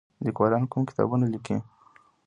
لیکوالان کوم کتابونه لیکي؟